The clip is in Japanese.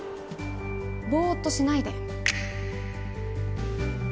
ぼうっとしないで。